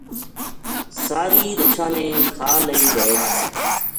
ساری رچھاں نے کھا لئی وھے گی